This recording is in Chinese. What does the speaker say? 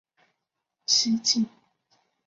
西晋曾设过陇西国。